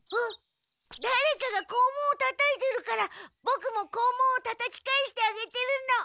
だれかが校門をたたいてるからボクも校門をたたき返してあげてるの。